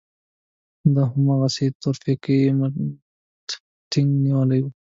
ده هماغسې د تورپيکۍ مټ ټينګ نيولی و.